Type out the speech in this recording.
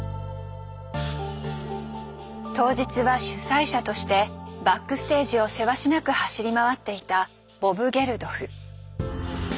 当日は主催者としてバックステージをせわしなく走り回っていたボブ・ゲルドフ。